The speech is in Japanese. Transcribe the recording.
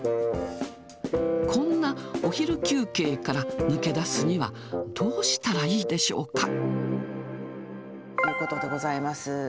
こんなお昼休憩から抜け出すには、どうしたらいいでしょうか。ということでございます。